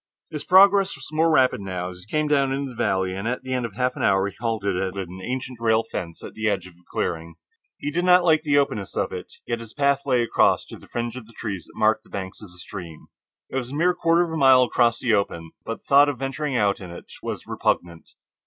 His progress was more rapid now, as he came down into the valley, and at the end of half an hour he halted at an ancient rail fence on the edge of a clearing. He did not like the openness of it, yet his path lay across to the fringe of trees that marked the banks of the stream. It was a mere quarter of a mile across that open, but the thought of venturing out in it was repugnant.